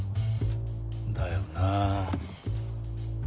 だよな。